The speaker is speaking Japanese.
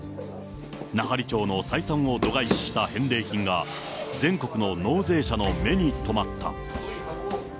奈半利町の採算を度外視した返礼品が、全国の納税者の目に留まった。